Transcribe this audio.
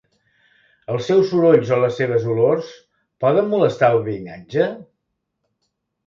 Els seus sorolls o les seves olors poden molestar el veïnatge?